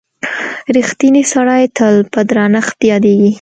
• رښتینی سړی تل په درنښت یادیږي.